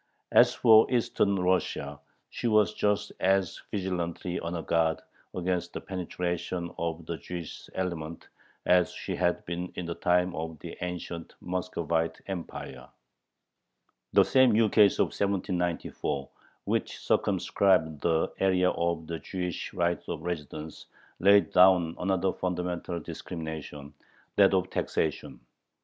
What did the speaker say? As for Eastern Russia, she was just as vigilantly on her guard against the penetration of the Jewish element as she had been in the time of the ancient Muscovite Empire. The same ukase of 1794, which circumscribed the area of the Jewish right of residence, laid down another fundamental discrimination, that of taxation.